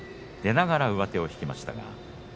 出ながら上手を引きました。